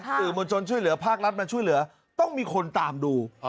สื่อมวลชนช่วยเหลือภาครัฐมาช่วยเหลือต้องมีคนตามดู